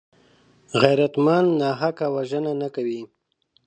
غیرتمند ناحقه وژنه نه کوي